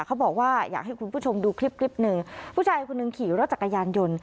เขาบอกว่าอยากให้คุณผู้ชมดูคลิปคลิปหนึ่งผู้ชายคนหนึ่งขี่รถจักรยานยนต์